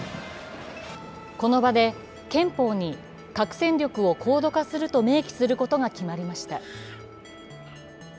この場で憲法に核戦力を高度化すると明記することが決まりました。